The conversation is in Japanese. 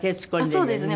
そうですね。